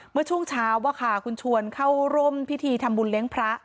เมื่อช่วงเช้าคุณชวนเข้าร่วมพิธีทำบุญเลี้ยงพระ